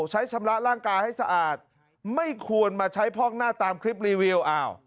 ใช้ชำระร่างกายให้สะอาดไม่ควรมาใช้พอกหน้าตามคลิปรีวิว